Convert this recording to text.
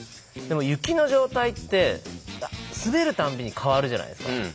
でも雪の状態って滑るたんびに変わるじゃないですか。